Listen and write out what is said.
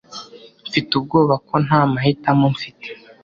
Mfite ubwoba ko nta mahitamo mfite